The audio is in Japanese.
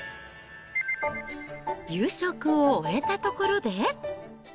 夕食を終えたところで。